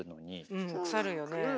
うん腐るよね。